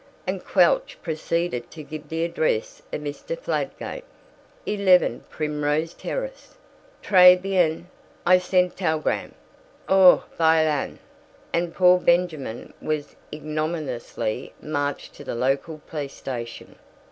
And Quelch proceeded to give the address of Mr. Fladgate, 11 Primrose Terrace. "Tres bien. I send teleg r r amme. Au violon!" And poor Benjamin was ignominiously marched to the local police station.